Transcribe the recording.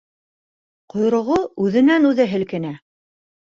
Ҡойроғо үҙенән-үҙе һелкенә!